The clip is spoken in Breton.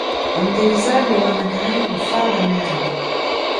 An deiz all e oan a-greñv o fardañ merenn.